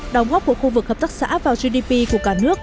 đồng hóp của khu vực hợp tác xã vào gdp của cả nước